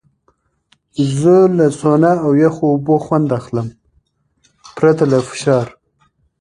زه له سونا او یخو اوبو خوند اخلم، پرته له فشار.